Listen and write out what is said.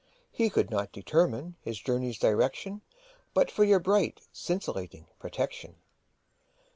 He could not determine his journey's direction But for your bright scintillating protection.